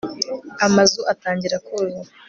amazu atangira kuzura